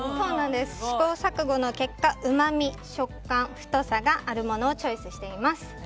試行錯誤の結果うまみ、食感、太さがあるものをチョイスしています。